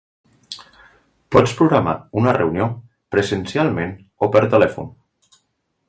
Pots programar una reunió presencialment o per telèfon.